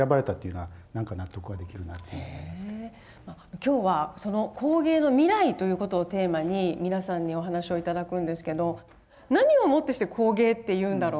今日はその工芸の未来ということをテーマに皆さんにお話しを頂くんですけど何をもってして工芸っていうんだろう